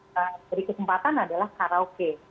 ini yang kita beri kesempatan adalah karaoke